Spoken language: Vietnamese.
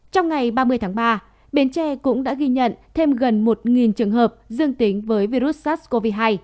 trong ngày ba mươi tháng ba bến tre cũng đã ghi nhận thêm gần một trường hợp dương tính với virus sars cov hai